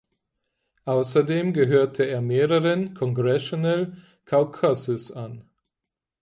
Außerdem gehört er mehreren "Congressional Caucuses" an.